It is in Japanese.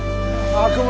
悪魔！